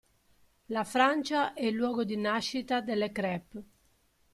La Francia è il luogo di nascita delle crêpe.